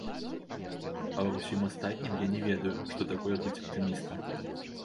А ва ўсім астатнім я не ведаю, што такое быць аптымістам.